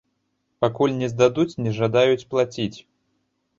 Пакуль не здадуць, не жадаюць плаціць!